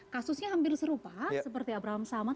kasusnya hampir serupa seperti abraham samad